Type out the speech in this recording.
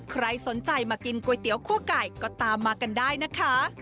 ใครสนใจมากินก๋วยเตี๋ยวคั่วไก่ก็ตามมากันได้นะคะ